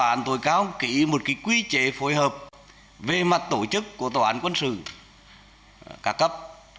tòa án tối cao ký một quy chế phối hợp về mặt tổ chức của tòa án quân sự ca cấp